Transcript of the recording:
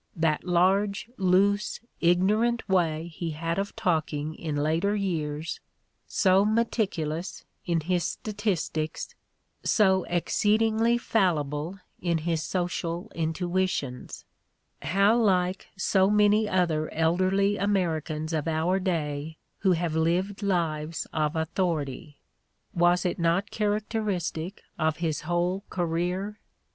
That large, loose, ignorant way he had of talking in later years, so meticulous in his sta tistics, so exceedingly fallible in his social intuitions — how like so many other elderly Americans of our day who have lived lives of authority! — was it not charac teristic of his whole career?